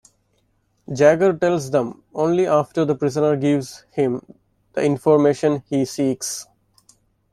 Jagger tells them, only after the prisoner gives him the information he seeks.